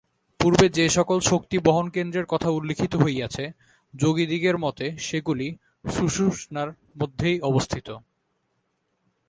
পূর্বে যে-সকল শক্তিবহনকেন্দ্রের কথা উল্লিখিত হইয়াছে, যোগীদিগের মতে সেগুলি সুষুম্নার মধ্যেই অবস্থিত।